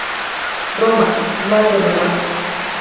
Roma: Madre de Ray.